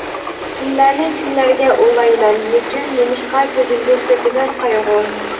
تۈنلەرنى كۈنلەرگە ئۇلايمەن نېچۈن نېمىشقا كۆزۈمدىن تۆكۈلەر قايغۇ.